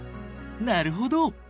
なるほど。